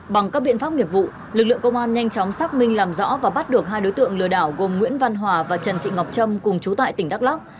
bằng các biện pháp nghiệp vụ lực lượng công an nhanh chóng xác minh làm rõ và bắt được hai đối tượng lừa đảo gồm nguyễn văn hòa và trần thị ngọc trâm cùng chú tại tỉnh đắk lắc